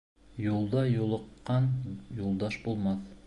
Юлда юлыҡҡан юлдаш булмаҫ.